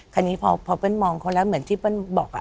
คนนี้พอเบ้นมองเขาแล้วเหมือนที่เบ้นบอก